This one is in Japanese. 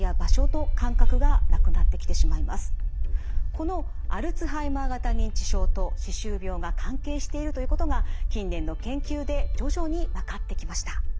このアルツハイマー型認知症と歯周病が関係しているということが近年の研究で徐々に分かってきました。